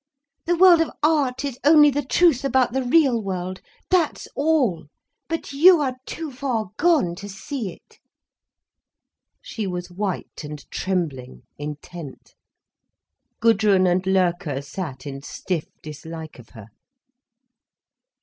The world of art is only the truth about the real world, that's all—but you are too far gone to see it." She was white and trembling, intent. Gudrun and Loerke sat in stiff dislike of her.